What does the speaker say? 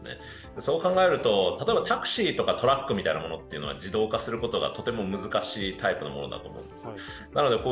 そう考えると、例えばタクシーとかトラックみたいなものは自動化することがとても難しいタイプのものだと思うんです。